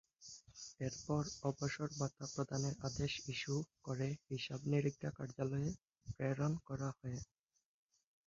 এরপর অবসর ভাতা প্রদানের আদেশ ইস্যু করে হিসাব নিরীক্ষা কার্যালয়ে প্রেরণ করা হয়।